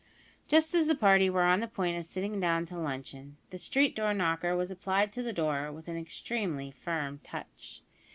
Just as the party were on the point of sitting down to luncheon, the street door knocker was applied to the door with an extremely firm touch.